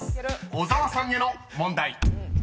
小沢さんへの問題］